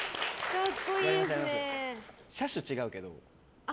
車種違うけど。